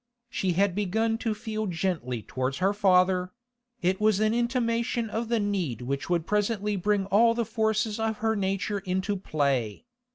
She had begun to feel gently towards her father; it was an intimation of the need which would presently bring all the forces of her nature into play.